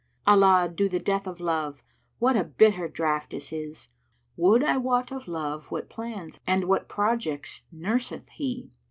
Allah do the death of Love, what a bitter draught is his! * Would I wot of Love what plans and what projects nurseth he!